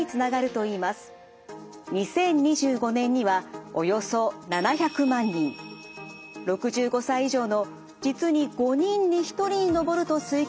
２０２５年にはおよそ７００万人６５歳以上の実に５人に１人に上ると推計される認知症。